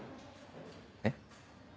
えっ？